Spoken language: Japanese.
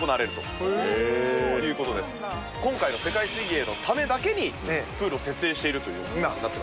今回の世界水泳のためだけにプールを設営しているという事になってるわけですね。